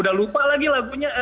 udah lupa lagi lagunya